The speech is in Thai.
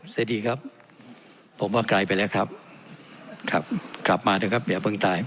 สวัสดีครับผมว่าไกลไปแล้วครับครับกลับมาเถอะครับอย่าเพิ่งตาย